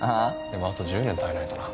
でもあと１０年耐えないとな。